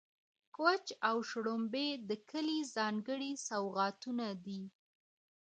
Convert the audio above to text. کوچ او شړومبې د کلي ځانګړي سوغاتونه دي.